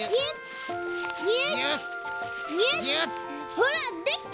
ほらできた！